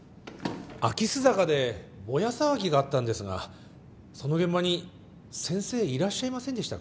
秋須坂でぼや騒ぎがあったんですがその現場に先生いらっしゃいませんでしたか？